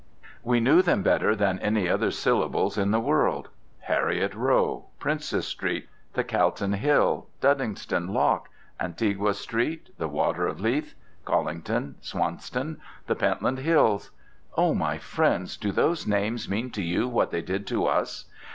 We knew them better than any other syllables in the world. Heriot Row, Princes Street, the Calton Hill, Duddingston Loch, Antigua Street, the Water of Leith, Colinton, Swanston, the Pentland Hills—O my friends, do those names mean to you what they did to us?